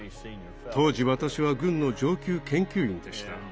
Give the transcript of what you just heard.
当時私は軍の上級研究員でした。